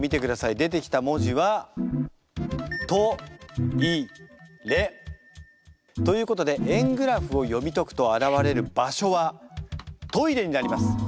出てきた文字はということで円グラフを読み解くと現れる場所はトイレになります。